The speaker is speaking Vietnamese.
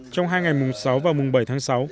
trong hai ngày mùng sáu và mùng bảy tháng sáu